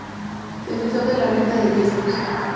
Defensor de la Renta de Diezmos.